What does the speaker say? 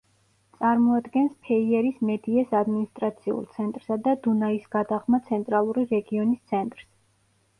წარმოადგენს ფეიერის მედიეს ადმინისტრაციულ ცენტრსა და დუნაისგადაღმა ცენტრალური რეგიონის ცენტრს.